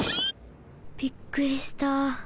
びっくりした。